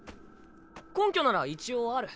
根拠なら一応ある。